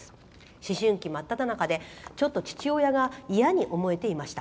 思春期真っただ中でちょっと父親がいやに思えていました。